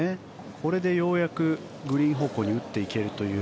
これでようやくグリーン方向に打っていけるという。